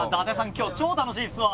今日超楽しいですわ！